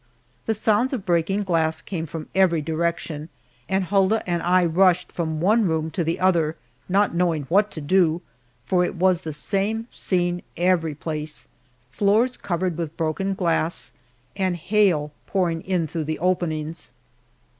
The sounds of breaking glass came from every direction and Hulda and I rushed from one room to the other, not knowing what to do, for it was the same scene everyplace floors covered with broken glass and hail pouring in through the openings.